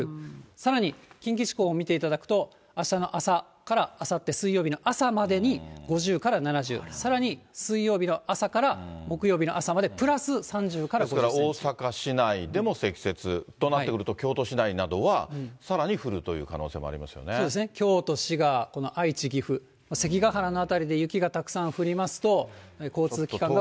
さらに近畿地方を見ていただくと、あしたの朝からあさって水曜日の朝までに、５０から７０、さらに水曜日の朝から木曜日に朝まで、ですから大阪市内でも積雪となってくると、京都市内などはさらに降るという可能性もありますそうですね、京都、滋賀、この愛知、岐阜、関ヶ原の辺りで雪がたくさん降りますと、交通機関が。